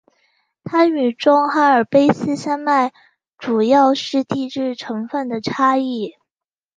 它与中阿尔卑斯山脉主要是地质成分的差异。